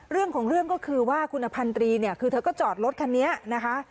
เรื่องของเรื่องก็คือว่าคุณอพันธรีเนี่ยคือเธอก็จอดรถคันนี้นะคะ